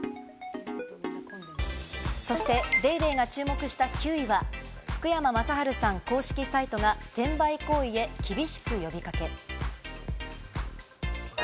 そして『ＤａｙＤａｙ．』が注目した９位は、福山雅治さん、公式サイトが転売行為厳しく呼び掛け。